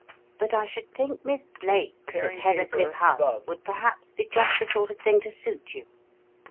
But I should think Miss Blake's, at Heathercliff House, would perhaps be just the sort of thing to suit you."